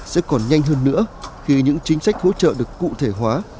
sẽ còn nhanh hơn nữa khi những chính sách hỗ trợ được cụ thể hóa